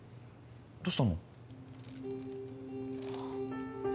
どうしたの？